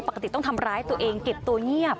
ปกติต้องทำร้ายตัวเองเก็บตัวเงียบ